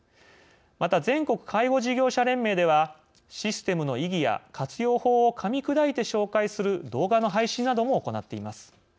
また、全国介護事業者連盟ではシステムの意義や活用法をかみ砕いて紹介する動画の配信なども行っています。